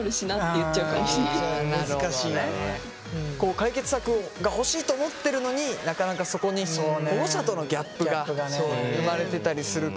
解決策が欲しいと思ってるのになかなかそこに保護者とのギャップが生まれてたりするから。